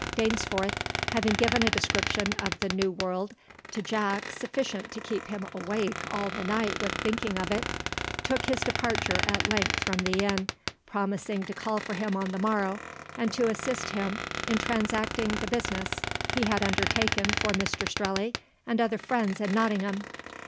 Dainsforth having given a description of the New World to Jack sufficient to keep him awake all the night with thinking of it, took his departure at length from the inn, promising to call for him on the morrow, and to assist him in transacting the business he had undertaken for Mr Strelley and other friends in Nottingham.